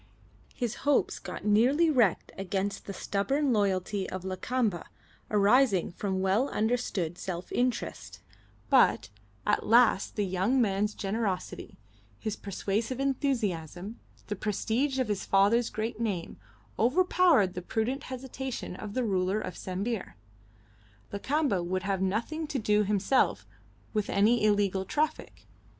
His hopes got nearly wrecked against the stubborn loyalty of Lakamba arising from well understood self interest; but at last the young man's generosity, his persuasive enthusiasm, the prestige of his father's great name, overpowered the prudent hesitation of the ruler of Sambir. Lakamba would have nothing to do himself with any illegal traffic.